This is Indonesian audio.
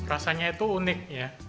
rasanya itu unik ya